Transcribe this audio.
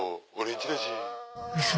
嘘